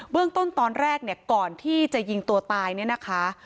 เรื่องต้นตอนแรกเนี่ยก่อนที่จะยิงตัวตายเนี่ยนะคะ